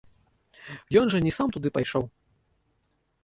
Ён жа не сам туды пайшоў.